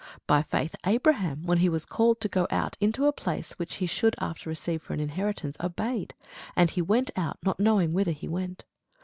By faith Abraham, when he was called to go out into a place which he should after receive for an inheritance, obeyed; and he went out, not knowing whither he went.